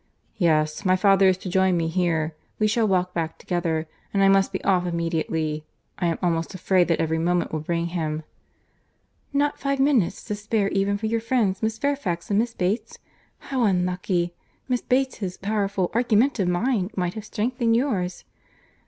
"Yes; my father is to join me here: we shall walk back together, and I must be off immediately. I am almost afraid that every moment will bring him." "Not five minutes to spare even for your friends Miss Fairfax and Miss Bates? How unlucky! Miss Bates's powerful, argumentative mind might have strengthened yours."